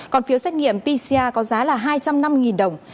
còn phiếu xét nghiệm pcr có giá là hai trăm năm mươi đồng